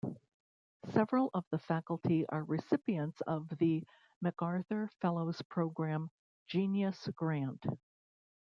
Several of the faculty are recipients of the MacArthur Fellows Program "genius grant".